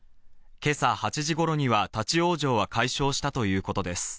今朝８時頃には立ち往生は解消したということです。